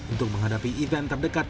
untuk menghadapi event terdekat